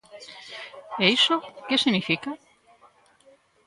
E iso ¿que significa?